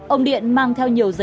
ông điện mang theo nhiều giấy